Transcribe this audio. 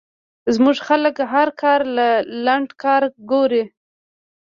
زمونږ خلک هر کار له لنډه لار ګوري